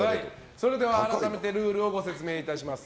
それでは改めてルールをご説明します。